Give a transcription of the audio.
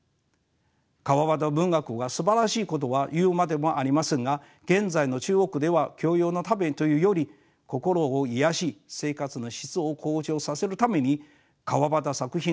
川端文学がすばらしいことは言うまでもありませんが現在の中国では教養のためというより心を癒やし生活の質を向上させるために川端作品が選ばれてるのです。